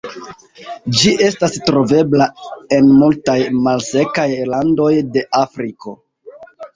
Ĝi estas trovebla en multaj malsekaj landoj de Afriko.